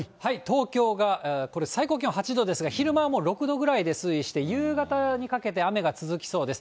東京がこれ、最高気温８度ですが、昼間はもう６度ぐらいで推移して、夕方にかけて雨が続きそうです。